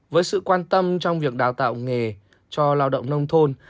với sự quan tâm trong việc đào tạo nghề cho lao động nông thôn